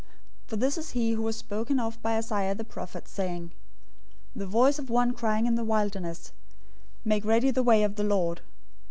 003:003 For this is he who was spoken of by Isaiah the prophet, saying, "The voice of one crying in the wilderness, make ready the way of the Lord.